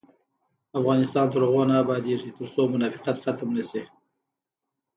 افغانستان تر هغو نه ابادیږي، ترڅو منافقت ختم نشي.